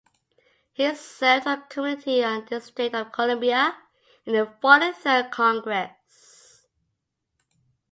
He served on the Committee on the District of Columbia in the Forty-third Congress.